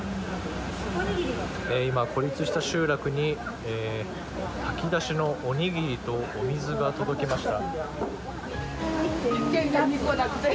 今、孤立した集落に炊き出しのおにぎりとお水が届きました。